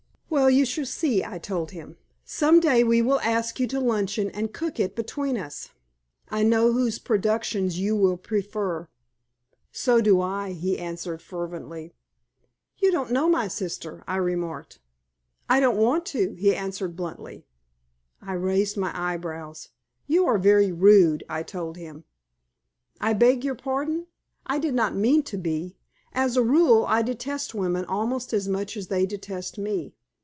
"Well, you shall see," I told him. "Some day we will ask you to luncheon and cook it between us. I know whose productions you will prefer." "So do I," he answered, fervently. "You don't know my sister," I remarked. "I don't want to," he answered, bluntly. I raised my eyebrows. "You are very rude," I told him. "I beg your pardon. I did not mean to be. As a rule I detest women almost as much as they detest me.